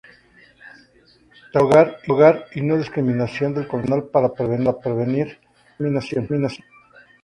Trabajo del hogar y no discriminación" del Consejo Nacional para Prevenir la Discriminación.